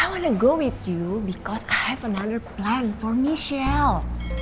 aku mau pergi sama kamu karena aku punya rencana lain untuk michelle